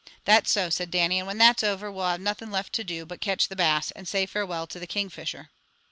"That's so," said Dannie, "and when that's over, we'll hae nothing left to do but catch the Bass, and say farewell to the Kingfisher."